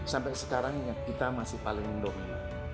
sampai sekarang kita masih paling mendomin